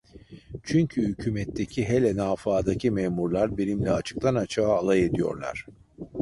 Çünkü hükümetteki, hele nafıadaki memurlar benimle açıktan açığa alay ediyorlar.